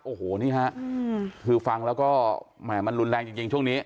โอ้โหนี่ฮะคือฟังแล้วก็แหม่มันรุนแรงจริงช่วงนี้